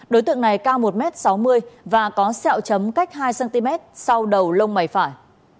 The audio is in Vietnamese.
đối tượng này cao một m sáu mươi và có sẹo chấm cách hai cm sau đầu lông mày phải